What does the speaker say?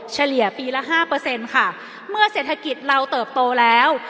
เฉลี่ยปีละ๕ค่ะเมื่อเศรษฐกิจเราเติบโตแล้ว